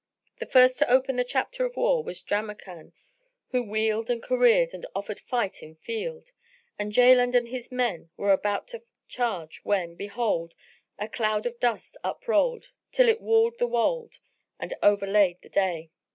The first to open the chapter of war was Jamrkan who wheeled and careered and offered fight in field; and Jaland and his men were about to charge when, behold, a cloud of dust uprolled till it walled the wold and overlaid the day.